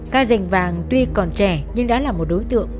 ca dành vàng tuy còn trẻ nhưng đã là một đối tượng